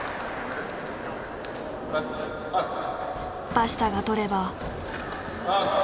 バシタが取れば。